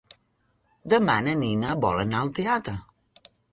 Demà na Nina vol anar al teatre.